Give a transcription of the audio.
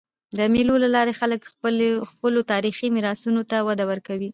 د مېلو له لاري خلک خپلو تاریخي میراثونو ته وده ورکوي.